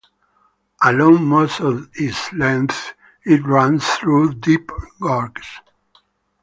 Along most of its length it runs through deep gorges.